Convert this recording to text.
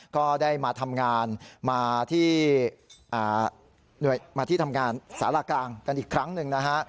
ก็ได้มาทำงานมาที่มาที่ทำงานสารกลางกันอีกครั้งหนึ่งนะฮะ